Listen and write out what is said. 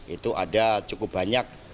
itu ada cukup banyak